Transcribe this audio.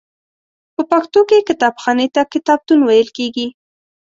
په پښتو کې کتابخانې ته کتابتون ویل کیږی.